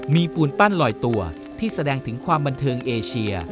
มีปูนปั้นลอยตัวที่แสดงถึงความบันเทิงเอเชีย